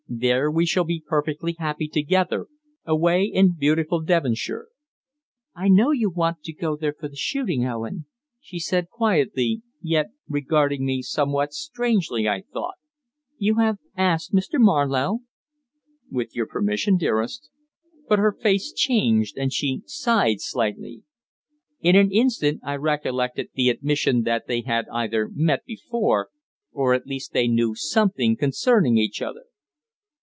There we shall be perfectly happy together, away in beautiful Devonshire." "I know you want to go there for the shooting, Owen," she said quietly, yet regarding me somewhat strangely, I thought. "You have asked Mr. Marlowe?" "With your permission, dearest." But her face changed, and she sighed slightly. In an instant I recollected the admission that they had either met before, or at least they knew something concerning each other.